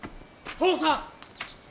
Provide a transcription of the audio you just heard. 父さん！